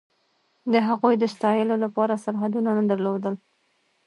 د هغوی د ستایلو لپاره سرحدونه نه درلودل.